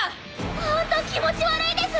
ホント気持ち悪いです！